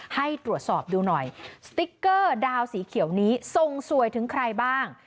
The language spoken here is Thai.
ให้ตรวจสอบดูหน่อยสติ๊กเกอร์ดาวสีเขียวนี้ทรงสวยถึงใครบ้าง